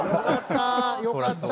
よかった。